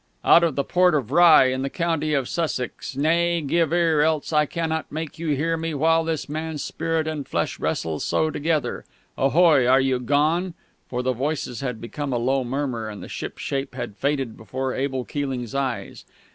"Out of the Port of Rye, in the County of Sussex ... nay, give ear, else I cannot make you hear me while this man's spirit and flesh wrestle so together!... Ahoy! Are you gone?" For the voices had become a low murmur, and the ship shape had faded before Abel Keeling's eyes.